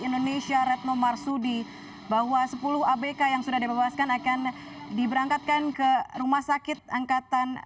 indonesia retno marsudi bahwa sepuluh abk yang sudah dibebaskan akan diberangkatkan ke rumah sakit angkatan